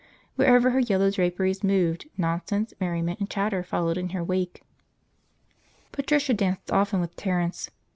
Wherever her yellow draperies moved, nonsense, merriment, and chatter followed in her wake. Patricia danced often with Terence.